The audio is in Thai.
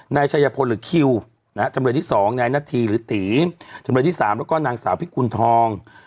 นายชัยพลหรือคิวนะฮะจำเลยที่๒นายนาธีหรือตีจำเลยที่๓แล้วก็นางสาวพิกุณฑอง